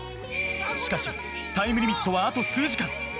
しかしタイムリミットはあと数時間。